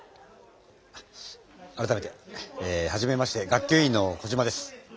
改めてえはじめまして学級委員のコジマです。